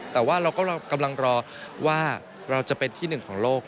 แต่ว่าเราก็กำลังรอว่าเราจะเป็นที่หนึ่งของโลก